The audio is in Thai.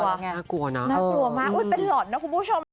น่ากลัวนะน่ากลัวมากเป็นหล่อนนะคุณผู้ชม